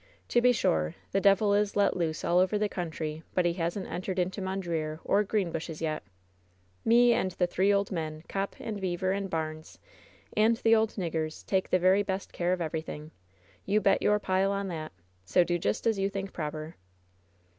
To be sure, the devil is let loose all over the country, but he hasn't entered into Mondreer or Greenbushes yet. Me and the three old men, Copp, and Beever, and Barnes, and the old niggers, take the very best of care of everything. You bet your pile on that. So do just as you think proper."